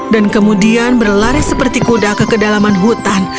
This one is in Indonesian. dan kemudian berlari seperti kuda ke kedalaman hutan